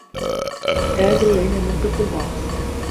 لا أدري أين موقف الباص.